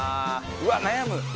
うわっ悩む！